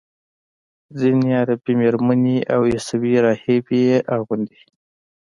ځینې عربي میرمنې او عیسوي راهبې یې اغوندي.